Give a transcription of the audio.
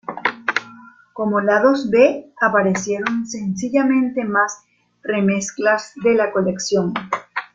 Como lados B aparecieron sencillamente más remezclas de la colección.